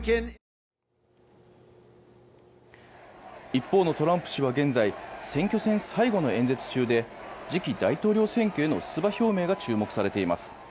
一方のトランプ氏は現在選挙戦最後の演説中で次期大統領選挙への出馬表明が注目されています。